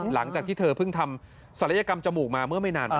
หลังจากที่เธอเพิ่งทำศัลยกรรม